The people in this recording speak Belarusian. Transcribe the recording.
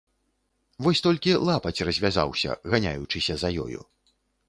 Вось толькі лапаць развязаўся, ганяючыся за ёю.